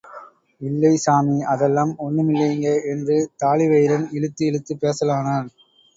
இல்லை சாமி, அதெல்லாம் ஒண்ணுமில்லீங்க என்று தாழிவயிறன் இழுத்து இழுத்துப் பேசலானான்.